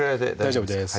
大丈夫です